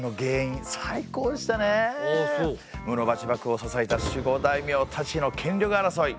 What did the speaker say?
室町幕府を支えた守護大名たちの権力争い！